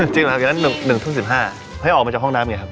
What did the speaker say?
จริงหรือครับอย่างนั้น๑ทุ่ม๑๕ให้ออกมาจากห้องน้ำไงครับ